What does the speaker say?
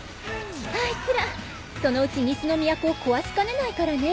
あいつらそのうち西の都を壊しかねないからね。